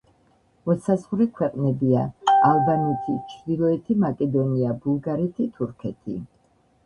მოსაზღვრე ქვეყნებია: ალბანეთი, ჩრდილოეთი მაკედონია, ბულგარეთი, თურქეთი.